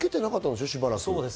しばらく。